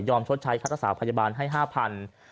ยอมชดใช้คาตรศาสตร์พยาบาลให้๕๐๐๐บาท